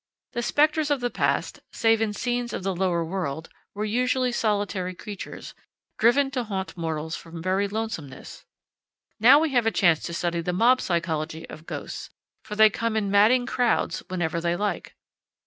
The specters of the past save in scenes of the lower world, were usually solitary creatures, driven to haunt mortals from very lonesomeness. Now we have a chance to study the mob psychology of ghosts, for they come in madding crowds whenever they like.